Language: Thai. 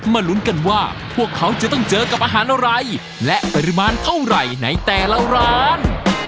ลุ้นกันว่าพวกเขาจะต้องเจอกับอาหารอะไรและปริมาณเท่าไหร่ในแต่ละร้าน